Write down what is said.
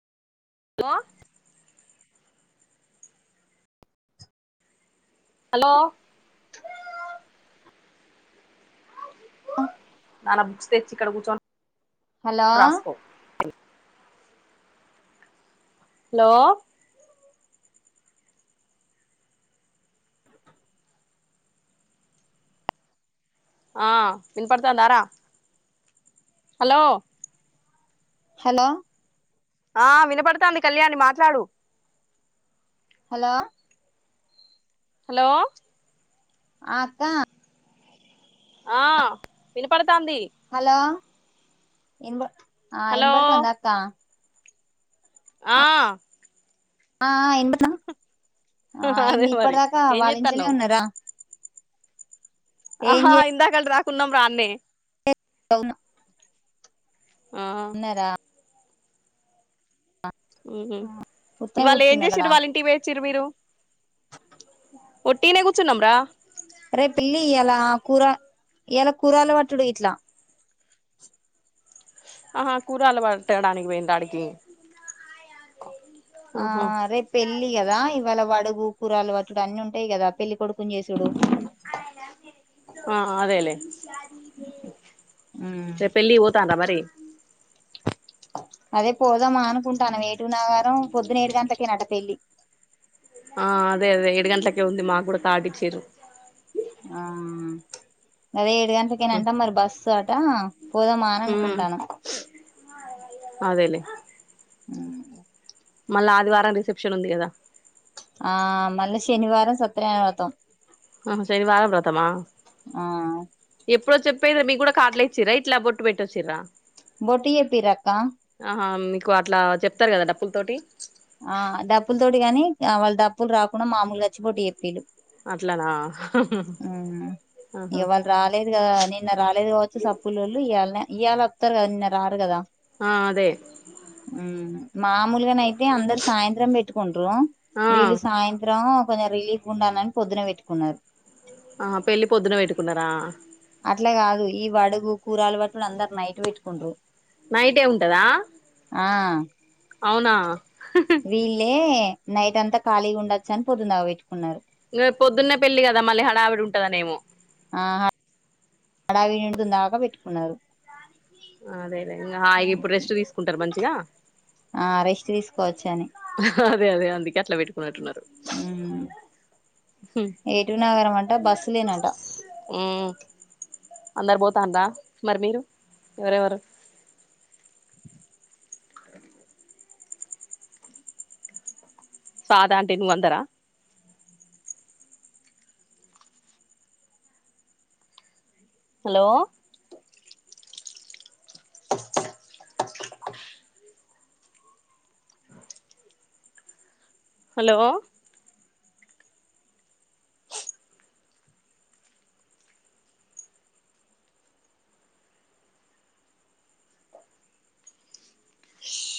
లో హలో నాన్న బుక్స్ తెచ్చి ఇక్కడ కూర్చోన్ హలో హలో ఆ విన్పడ్తాందర హలో హాలో ఆ వినపడుతాంది కళ్యాణి మాట్లాడు హలో హలో ఆ అక్క ఆ వినపడ్తాంది హాలో ఇన్ బ ఆ హలో ఇన్బడ్తాందా అక్క ఆ ఆ ఆ అదే ఏంది మరి ఇప్పటిదాకా ఏం వాళ్ళి ఇంట్లోనే చేత్తన్నావ్ ఉన్నారా ఏం ఆ చే ఇందాకళ్ళ రాాకున్నాం వన్నె అవును ఆ ఉన్నారా ఉహు ఉత్తనే ఇవల్ ఏం కూర్చున్నారడా చేసిండ్రు వాళ్ళ ఇంటికి పోయి ఇచ్చిండ్రు మీరు ఒట్టిగ్నే కూర్చున్నాం రా రే పిల్లి ఇలా కూర ఇలా కూరలు పటుడే ఇట్లా ఆహా కూరల్ పట్టడానికి పోయిండ ఆడ్కి ఆదె పెళ్ళి కదా ఇవాళ వడుగు కూరలు పటుడు అన్ని ఉంటాయి కదా పెళ్ళ కొడుకు ఆ అదేలేే రేపు పెళ్ళికి పోతండ్రా మరి అదే పోదామ్మా అనుకుంటన్నాం ఏటు నాగారం పొద్దున్న ఏడు గంటల్కే నంట పెళ్లి ఆ అదే అదే ఏడు గంటల్కే ఉంది మాకు కూడా కార్డుచిరు ఆ అదే ఏడు గంటల్కే ఏనాంటా మరి బస్సు అట పోదామా అని హ్మ్ అనుకుంటానం అదేలే ఉ మళ్ళా ఆదివారం రిసెప్షన్ ఉంది కదా ఆ మల్లా శనివారం సత్యనారాయణవర్తం ఆ సేనివారం వర్తమ ఆ ఎప్పుడో చెప్పే మీ కూడా కాార్ట్లు ఇచ్చిరా ఇట్లా బొట్టు పెట్టొచ్చిరా బొట్టు చెప్పిరక్క ఆహా మీకు అట్లా చెప్తారు కదా డప్పుల్తోటి ఆ డబ్ప్పుల తోటి కాని వాళ్ళ డప్పులు రాకుండా మామూలుగాచ్చిబొట్టు చేప్పీరు అట్లనా ఆహ ఇగ వాళ్ళు రాలేదు కదా నిన్న రాలేదు కావచ్చు సప్పులుళ్ళు ఇవాళ ఇయళ వత్తారు కదా నిన్న రారు కదా ఆ అదే ఉమ్ మామూల్గానే అయితే అందరు సాయంత్రం పెట్టుకుంట్రారు ఆ వీళ్ళు సాయంత్రం కొంచెం రిలీఫ్ ఉండాలన్ని పోద్నే పెట్టుకున్నారు ఆ పెళ్ళి పొద్దున వెట్టుకున్నరా? అట్లా కాదు, ఈ వడుగు కూరలు పట్టి అందరు నైట్ పెట్టుకుండ్రు. నైటే ఉంటదా? ఆ అవునా వీళ్ళే నైట్ అంతా ఖాళీగా ఉండొచ్చని పొద్దున పెట్టుకున్నారు. ఇంగ పొద్దున్నే పెళ్లి కదా మళ్ళీ హడావిడి ఉంతాదనేమో ఆ హడా వి నిండుకు దాకా పెట్టుకున్నారు. అదే లే ఇగ హ ఇప్పుడు రెస్ట్ తీసుకుంటారు మంచిగా ఆ రెస్ట్ తీసుకోవచ్చు అని హ్ అదే అదే అందికే అట్లా పెట్ ఏటునగరం అంట బస్సు లేనట మ్ అందరూ పోతాండారా మరి మీరు ఎవరెవరు స్వాతి అంటీ నువ్ అందరా హలో హలో